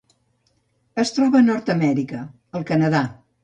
Es troba a Nord-amèrica: el Canadà.